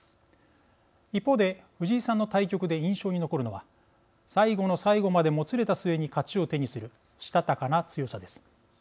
一方で藤井さんの対局で印象に残るのは最後の最後までもつれた末に勝ちを手にするしたたかな強さです。